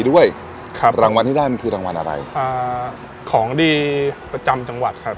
ด้วยครับรางวัลที่ได้มันคือรางวัลอะไรอ่าของดีประจำจังหวัดครับ